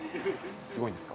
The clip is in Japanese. すごいんですか？